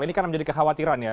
ini karena menjadi kekhawatiran ya